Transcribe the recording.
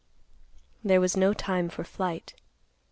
There was no time for flight.